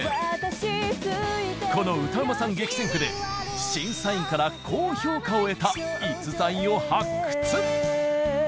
この歌うまさん激戦区で審査員から高評価を得た逸材を発掘。